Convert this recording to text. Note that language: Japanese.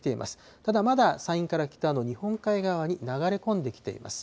ただ、まだ山陰から北の日本海側に流れ込んできています。